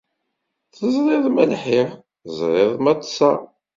Teẓriḍ ma lḥiɣ, teẓriḍ ma ṭṭseɣ.